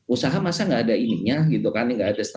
usaha masa nggak ada ininya gitu kan